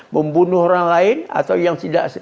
membunuh orang lain atau yang tidak